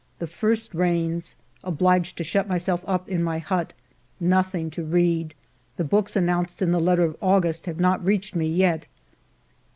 The first rains. Obliged to shut myself up in my hut. Nothing to read. The books announced in the letter of August have not reached me yet.